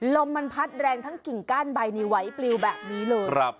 ลมมันพัดแรงทั้งกิ่งก้านใบนี้ไว้ปลิวแบบนี้เลย